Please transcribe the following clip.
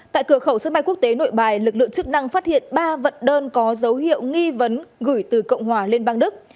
tại cửa khẩu sân bay quốc tế nội bài lực lượng chức năng phát hiện ba vận đơn có dấu hiệu nghi vấn gửi từ cộng hòa liên bang đức